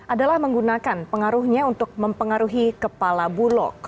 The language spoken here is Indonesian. adalah menggunakan pengaruhnya untuk mempengaruhi kepala bulog